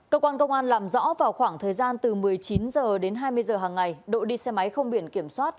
cơ quan công an làm rõ vào khoảng thời gian từ một mươi chín h đến hai mươi h hàng ngày độ đi xe máy không biển kiểm soát